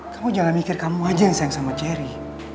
kamu jalan mikir kamu aja yang sayang sama cherry